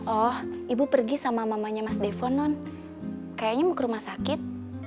oh ibu pergi sama mamanya mas devo non kayaknya mau ke rumah sakit